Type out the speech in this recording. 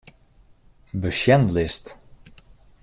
Besjenlist.